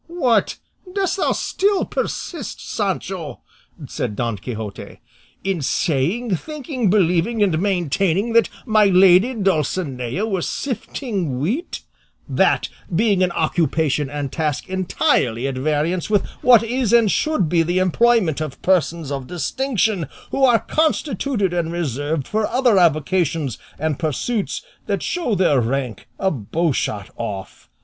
"What! dost thou still persist, Sancho," said Don Quixote, "in saying, thinking, believing, and maintaining that my lady Dulcinea was sifting wheat, that being an occupation and task entirely at variance with what is and should be the employment of persons of distinction, who are constituted and reserved for other avocations and pursuits that show their rank a bowshot off?